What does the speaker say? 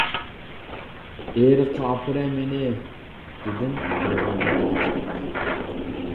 «ئېرىققا ئاپىرە مېنى» دېدىم يىغامنى توختىتىپ.